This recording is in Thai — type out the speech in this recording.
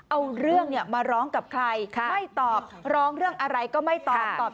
เอาเรื่องเนี่ยมาร้องกับใครไม่ตอบร้องเรื่องอะไรก็ไม่ตอบตอบ